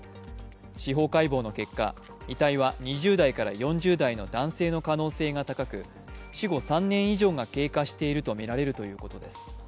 司法解剖の結果、遺体は２０代から４０代の男性の可能性が高く死後３年以上が経過しているとみられるということです。